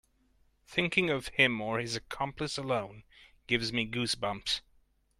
Thinking of him or his accomplice alone gives me goose bumps.